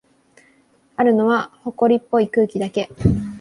あるのは、ほこりっぽい空気だけ。